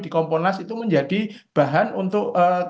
di komponas itu menjadi bahan untuk